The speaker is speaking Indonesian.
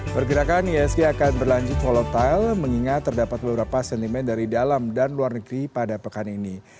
pergerakan isg akan berlanjut volatile mengingat terdapat beberapa sentimen dari dalam dan luar negeri pada pekan ini